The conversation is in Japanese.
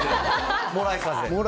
もらい風。